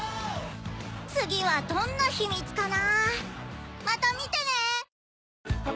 次はどんなヒミツかな？